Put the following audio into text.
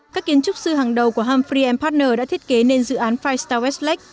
các kiến trúc sư hàng đầu của humphrey partners đã thiết kế nên dự án five star westlake